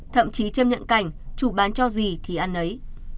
thậm chí châm nhận cảnh chủ bán cho gì thì ăn ấy